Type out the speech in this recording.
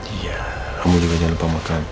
iya kamu juga jangan lupa makan